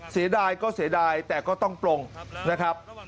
เสียดายก็เสียดายแต่ก็ต้องปลงนะครับ